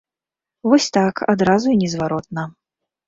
Вось так, адразу і незваротна.